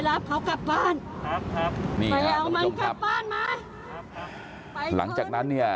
ไม่กลับไม่กลับ